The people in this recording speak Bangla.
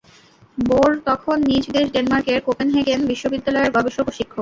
বোর তখন নিজ দেশ ডেনমার্কের কোপেনহেগেন বিশ্ববিদ্যালয়ের গবেষক ও শিক্ষক।